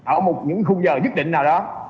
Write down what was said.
ở những khung giờ nhất định nào đó